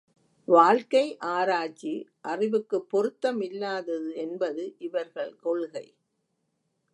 வாழ்க்கை ஆராய்ச்சி அறிவுக்குப் பொருத்தமில்லாதது என்பது இவர்கள் கொள்கை.